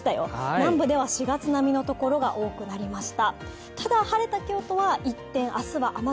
南部では４月並みのところが多くなりました。